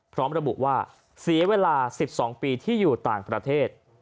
พร้อมระบุว่าเสียเวลา๑๒ปีที่อยู่ต่างประเทศ